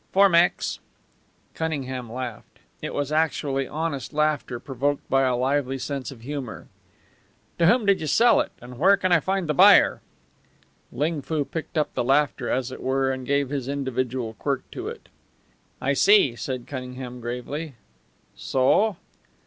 "Four Mex." Cunningham laughed. It was actually honest laughter, provoked by a lively sense of humour. "To whom did you sell it, and where can I find the buyer?" Ling Foo picked up the laughter, as it were, and gave his individual quirk to it. "I see," said Cunningham, gravely. "So?"